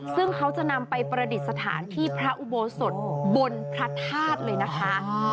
ซึ่งเขาจะนำไปประดิษฐานที่พระอุโบสถบนพระธาตุเลยนะคะ